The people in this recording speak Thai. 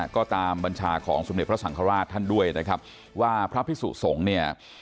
ก็ตามบัญชาของสมเด็จพระสังฆราชท่านด้วยนะครับว่าพระพิสุสงฆ์เนี่ย